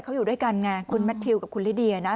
เขาอยู่ด้วยกันไงคุณแมททิวกับคุณลิเดียนะ